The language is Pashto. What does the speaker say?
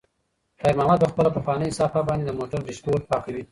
خیر محمد په خپله پخوانۍ صافه باندې د موټر ډشبورډ پاکوي.